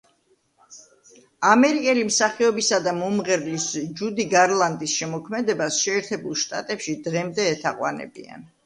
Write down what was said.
ამერიკელი მსახიობისა და მომღერლის ჯუდი გარლანდის შემოქმედებას შეერთებულ შტატებში დღემდე ეთაყვანებიან.